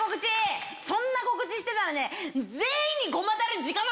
そんな告知してたらね全員に。